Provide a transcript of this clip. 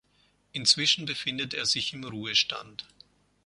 Inzwischen befindet er sich im Ruhestand.